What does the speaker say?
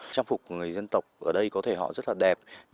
trang phục của người dân tộc ở đây có thể họ rất là đẹp